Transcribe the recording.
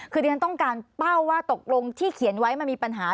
คือดิฉันต้องการเป้าว่าตกลงที่เขียนไว้มันมีปัญหา